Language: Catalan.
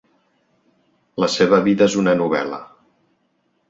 La seva vida és una novel·la.